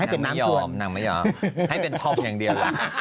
ให้เป็นทอบอย่างเดียว